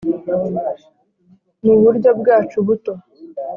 muburyo bwacu buto